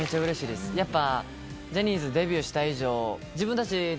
やっぱジャニーズでデビューした以上。